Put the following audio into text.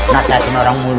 nasi hati orang mulu